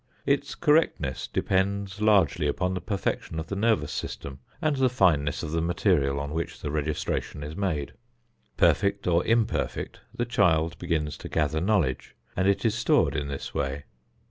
Its correctness depends largely upon the perfection of the nervous system and the fineness of the material on which the registration is made. Perfect or imperfect, the child begins to gather knowledge and it is stored in this way.